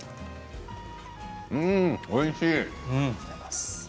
うーん、おいしい。